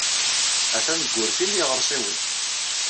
Atan deg wurti n yiɣersiwen.